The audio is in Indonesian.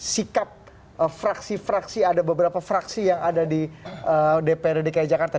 sikap fraksi fraksi ada beberapa fraksi yang ada di dprd dki jakarta